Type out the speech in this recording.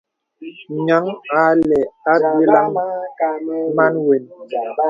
Nyaŋ a lɛ̂ àbyə̀laŋ màn wən.